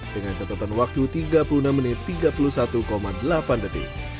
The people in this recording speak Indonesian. dengan catatan waktu tiga puluh enam menit tiga puluh satu delapan detik